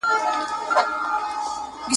ټاکلي ښکلي مينځياني